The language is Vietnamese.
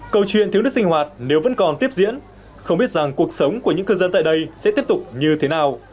câu chuyện thiếu nước sinh hoạt nếu vẫn còn tiếp diễn không biết rằng cuộc sống của những cư dân tại đây sẽ tiếp tục như thế nào